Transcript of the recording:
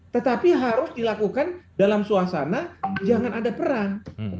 tetapi harus dilakukan dalam suasana jangan ada perang